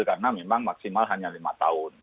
karena memang maksimal hanya lima tahun